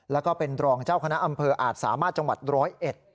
แล้วก็เป็นรองเจ้าคณะอำเภออาจสามารถจังหวัดร้อยเอ็ด